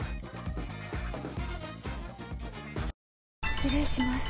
失礼します。